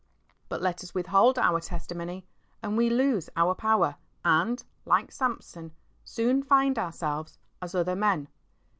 But let us withhold our testimony, and we lose our power and, like Samson, soon find ourselves "as other men."